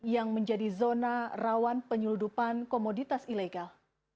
yang menjadi zona rawan penyeludupan komoditas ilegal